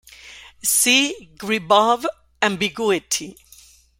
See Gribov ambiguity.